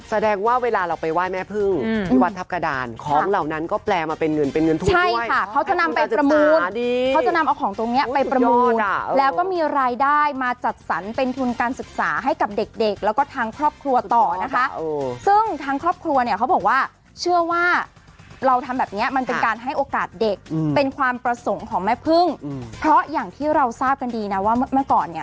แฟนเพลงเนี่ยเขานำมาถวายเครื่องแป้งที่แฟนเพลงนำมาถวายเครื่องแป้งที่แฟนเพลงนำมาถวายเครื่องแป้งที่แฟนเพลงนำมาถวายเครื่องแป้งที่แฟนเพลงนำมาถวายเครื่องแป้งที่แฟนเพลงนำมาถวายเครื่องแป้งที่แฟนเพลงนำมาถวายเครื่องแป้งที่แฟนเพลงนำมาถวายเครื่องแป้งที่แฟนเพลงนำมาถวายเครื่องแป้งที่แฟนเพลงนำ